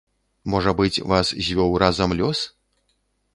Можа быць, вас звёў разам лёс?